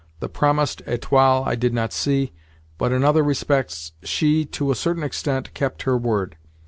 The promised "étoiles" I did not see, but in other respects she, to a certain extent, kept her word.